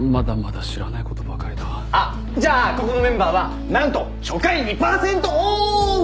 じゃあここのメンバーはなんと初回２パーセントオフ！